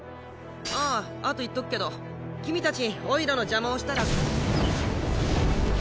あああと言っとくけど君たちおいらの邪魔をしたら。